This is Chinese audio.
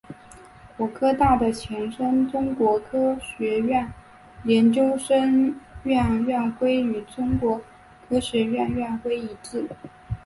国科大的前身中国科学院研究生院院徽与中国科学院院徽一致。